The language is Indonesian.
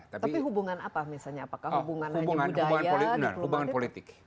tapi hubungan apa misalnya apakah hubungan hanya budaya diplomatik